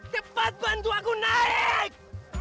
cepat bantu aku naik